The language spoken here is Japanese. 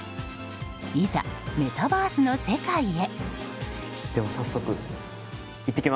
いざ、メタバースの世界へ。